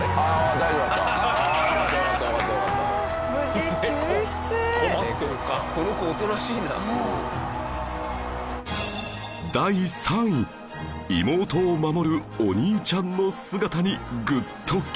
第３位妹を守るお兄ちゃんの姿にグッときます